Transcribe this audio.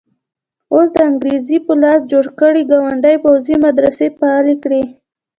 اوس د انګریز په لاس جوړ کړي ګاونډي پوځي مدرسې فعالې کړي.